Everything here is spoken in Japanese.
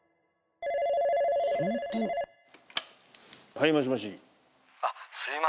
☎はいもしもし。